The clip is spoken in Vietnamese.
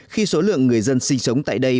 khi số lượng người dân sinh sống tại đây